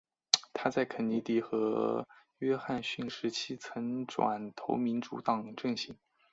她在肯尼迪和约翰逊时期曾转投民主党阵型。